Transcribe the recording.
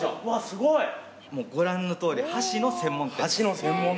ご覧のとおり箸の専門店。